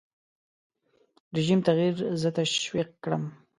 رژیم تغییر زه تشویق کړم.